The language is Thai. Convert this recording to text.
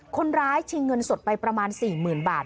คนร้ายชิงเงินสดไปประมาณ๔๐๐๐๐บาท